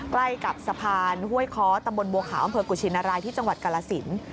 ใกล้กับสะพานห้วยค้อตำบลบัวขาวอำเภอกุชินรายที่จังหวัดกาลสิน